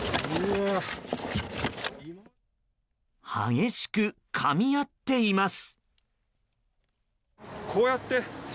激しくかみ合っています。